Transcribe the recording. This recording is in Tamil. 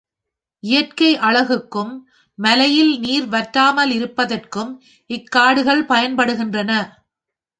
இயற்கை அழகுக்கும், மலையில் நீர் வற்றாமலிருப்பதற்கும் இக் காடுகள் பயன்படுகின்றன.